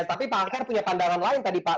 tapi pak akar punya pandangan lain tadi pak